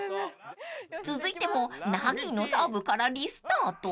［続いてもナギーのサーブからリスタート］